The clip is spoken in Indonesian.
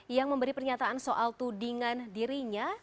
yang memberi pernyataan soal tudingan dirinya